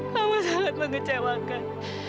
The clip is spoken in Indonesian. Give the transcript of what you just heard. kamu sangat mengecewakan